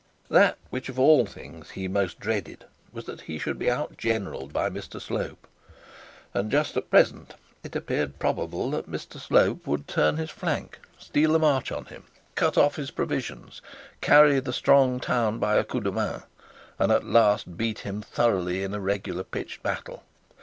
That which of all things he most dreaded was that he should be out generalled by Mr Slope: and just at present it appeared probable that Mr Slope would turn his flank, steal a march on him, cut off his provisions, carry his strong town by a coup de main, and at last beat him thoroughly in a regular pitched battle.